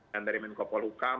dan dari menkopol hukam